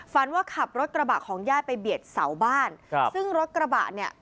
ฝันว่าขับรถกระบะของญาติไปเบียดเสาบ้านครับซึ่งรถกระบะเนี่ย